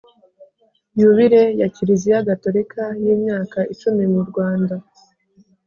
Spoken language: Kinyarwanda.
yubile ya kiliziya gatolika y'imyaka icumi mu rwanda